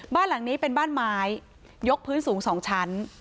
บ้านหลังนี้เป็นบ้านไม้ยกพื้นสูง๒ชั้น